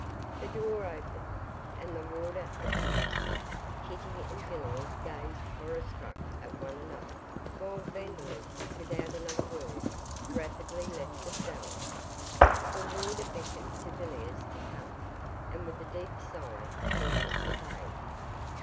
The door opened, and the warder appeared. Kitty and Villiers gazed horror struck at one another, while Vandeloup, without another word, rapidly left the cell. The warder beckoned to Villiers to come, and, with a deep sigh, he obeyed.